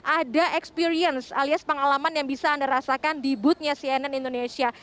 ada experience alias pengalaman yang bisa anda rasakan di booth nya cnn indonesia